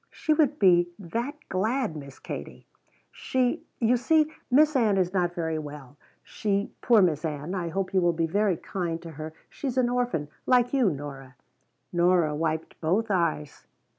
"She would be that glad, Miss Kate. She " "You see, Miss Ann is not very well. She poor Miss Ann, I hope you will be very kind to her. She is an orphan, like you, Nora." Nora wiped both eyes.